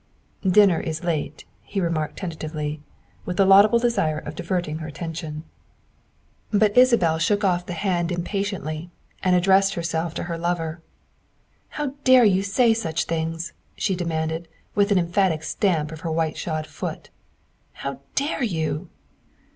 " Dinner is late," he remarked tentatively, with the laudable desire of diverting her attention. 200 THE WIFE OF But Isabel shook off the hand impatiently and ad dressed herself to her lover. " How dare you say such things?" she demanded, with an emphatic stamp of her white shod foot, " how dare you?"